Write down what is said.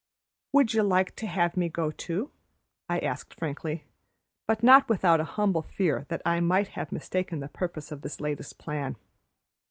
"Would you like to have me go too?" I asked frankly, but not without a humble fear that I might have mistaken the purpose of this latest plan.